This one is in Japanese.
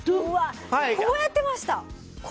こうやってました。